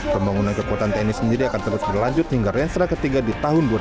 pembangunan kekuatan tni sendiri akan terus berlanjut hingga renstra ketiga di tahun dua ribu dua puluh